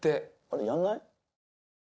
あれ？やんない？